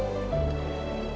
dan juga lupa sholat